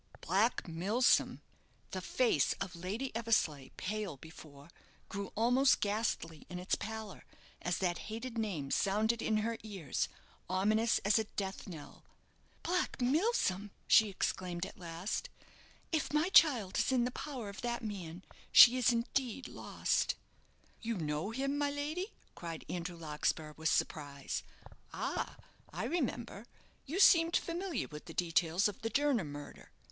Black Milsom! the face of Lady Eversleigh, pale before, grew almost ghastly in its pallor, as that hated name sounded in her ears, ominous as a death knell. "Black Milsom!" she exclaimed at last. "If my child is in the power of that man, she is, indeed, lost." "You know him, my lady?" cried Andrew Larkspur, with surprise. "Ah, I remember, you seemed familiar with the details of the Jernam murder.